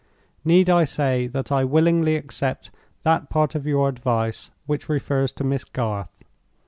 "Need I say that I willingly accept that part of your advice which refers to Miss Garth?